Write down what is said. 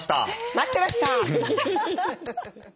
待ってました！